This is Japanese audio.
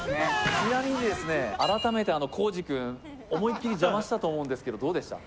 ちなみに、改めてコージくん思いっきり邪魔したと思うんですけどどうでした？